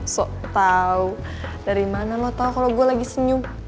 sotau dari mana lo tau kalau gue lagi senyum